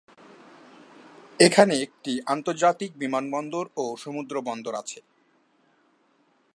এখানে একটি আন্তর্জাতিক বিমানবন্দর ও সমুদ্রবন্দর আছে।